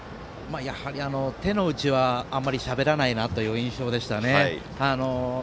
やはり、手の内はあまりしゃべらないなという印象でしたね。